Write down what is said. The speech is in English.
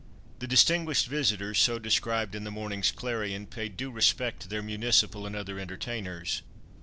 "The distinguished visitors," so described in the morning's Clarion, paid due respect to their municipal and other entertainers.